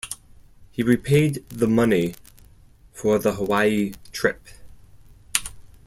He repaid the money for the Hawaii trip.